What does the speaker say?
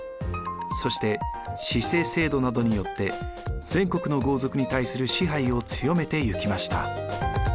そして氏姓制度などによって全国の豪族に対する支配を強めていきました。